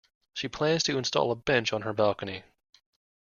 She plans to install a bench on her balcony.